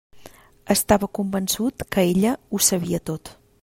Estava convençut que ella ho sabia tot.